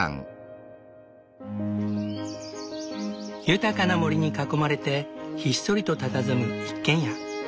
豊かな森に囲まれてひっそりとたたずむ一軒家。